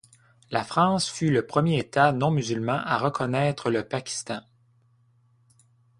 La France fut le premier État non-musulman à reconnaître le Pakistan.